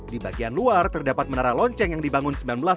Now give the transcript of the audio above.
di bagian luar terdapat menara lonceng yang dibangunnya